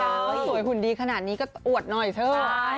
สวยหุ่นดีขนาดนี้ก็อวดหน่อยเถอะ